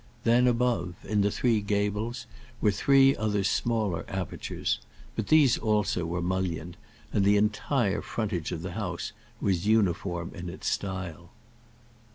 Then above, in the three gables, were three other smaller apertures. But these also were mullioned, and the entire frontage of the house was uniform in its style.